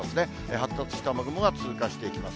発達した雨雲が通過していきます。